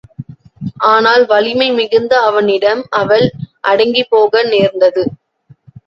ஆனால் வலிமை மிகுந்த அவனிடம் அவள் அடங்கிப்போக நேர்ந்தது.